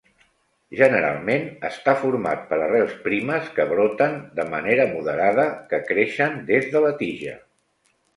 Generalment està format per arrels primes que broten de manera moderada que creixen des de la tija.